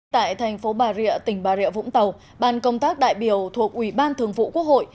tại thành phố bà rịa tỉnh bà rịa vũng tàu ban công tác đại biểu thuộc ủy ban thường vụ quốc hội